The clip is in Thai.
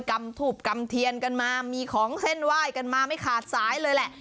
กำถูบกำเทียนกันมามีของเส้นไหว้กันมาไม่ขาดสายเลยแหละ